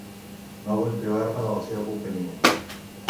No vull privar-me de la seva companyia.